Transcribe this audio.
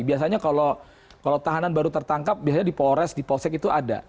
biasanya kalau tahanan baru tertangkap biasanya di polres di polsek itu ada